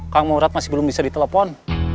kang morat masih belum bisa ditelepon